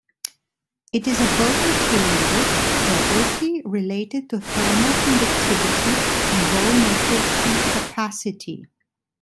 It is a bulk material property related to thermal conductivity and volumetric heat capacity.